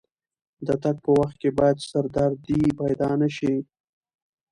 د تګ په وخت کې باید سردردي پیدا نه شي.